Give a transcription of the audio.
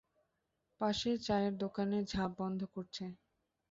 পাশের চায়ের দোকান ঝাঁপ বন্ধ করছে।